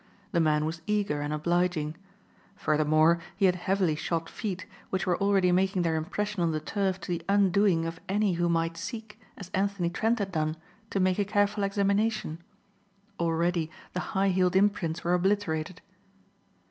The man was eager and obliging. Furthermore he had heavily shod feet which were already making their impression on the turf to the undoing of any who might seek, as Anthony Trent had done, to make a careful examination. Already the high heeled imprints were obliterated.